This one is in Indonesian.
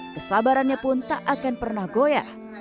kesabarannya pun tak akan pernah goyah